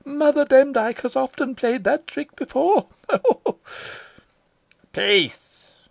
"Mother Demdike has often played that trick before ho! ho!" "Peace!"